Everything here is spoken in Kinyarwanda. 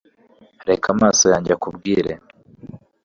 reka amaso yanjye akubwire